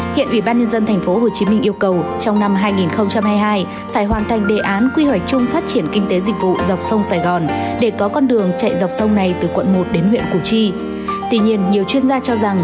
hiện ủy ban nhân dân tp hcm yêu cầu trong năm hai nghìn hai mươi hai phải hoàn thành đề án quy hoạch chung phát triển kinh tế dịch vụ dọc sông sài gòn để có con đường chạy dọc sông này từ quận một đến huyện củ chi